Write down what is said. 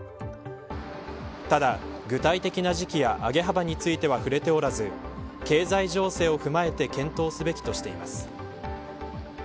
ただ、具体的な時期や上げ幅については触れておらず経済情勢を踏まえて検討すべきとしています。